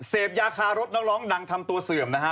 เสพยาคารถนักร้องดังทำตัวเสื่อมนะฮะ